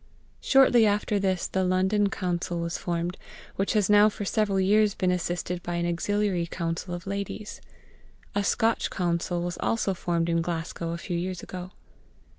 Shortly after this the London Council was formed, which has now for several years been assisted by an auxiliary Council of ladies. A Scotch Council was also formed in Glasgow a few years ago.